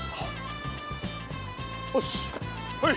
よしほい。